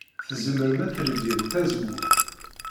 Tzemrem ad tledyem tazewwut.